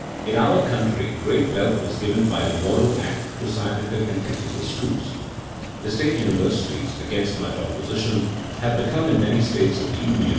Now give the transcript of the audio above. In our country great wealth was given by the Morrill Act to scientific and technical schools. The state universities, against much opposition, have become in many states of the Union the dominant educational force.